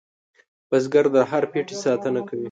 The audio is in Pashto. بزګر د هر پټي ساتنه کوي